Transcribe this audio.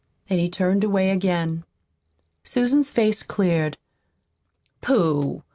And he turned away again. Susan's face cleared. "Pooh!